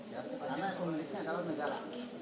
ya karena komuniknya adalah negara